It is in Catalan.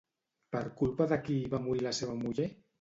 Per culpa de qui va morir la seva muller?